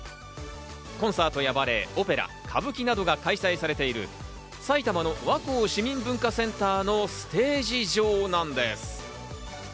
コンサートやバレエ、オペラ、歌舞伎などが開催されている埼玉の和光市民文化センターのステージ上なんです。